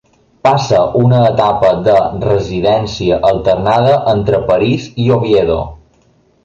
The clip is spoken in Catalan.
Passa una etapa de residència alternada entre París i Oviedo.